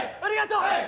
はい。